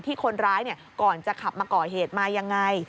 ที่คนร้ายเนี้ยก่อนจะขับมาก่อเหตุมายังไง